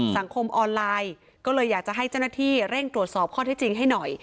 สังคมออนไลน์ก็เลยอยากจะให้เจ้าหน้าที่เร่งตรวจสอบข้อที่จริงให้หน่อย